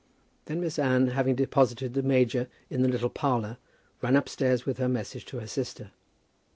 Then Miss Anne, having deposited the major in the little parlour, ran upstairs with her message to her sister.